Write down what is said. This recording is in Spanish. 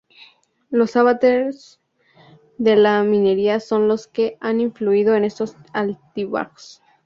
Los avatares de la minería son los que han influido en estos altibajos.